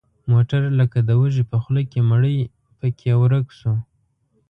موټر لکه د وږي په خوله کې مړۍ پکې ورک شو.